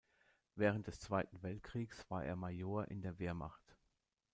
Während des Zweiten Weltkriegs war er Major in der Wehrmacht.